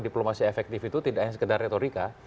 diplomasi efektif itu tidak hanya sekedar retorika